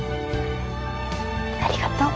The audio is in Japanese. ありがとう。